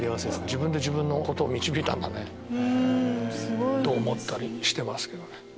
自分で自分のことを導いたんだね。と思ったりしてますけどね。